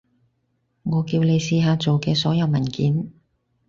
我叫你試下做嘅所有文件